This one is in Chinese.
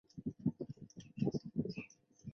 墓地的正前方有一座以花岗岩砌成的纪念碑。